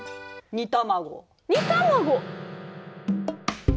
煮卵！